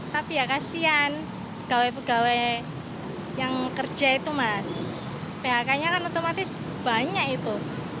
tapi ya kasihan pegawai pegawai yang kerja itu mas phk nya kan otomatis banyak itu